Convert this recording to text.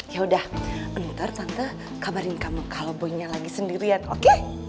ya udah ntar tante kabarin kamu kalau boynya lagi sendirian oke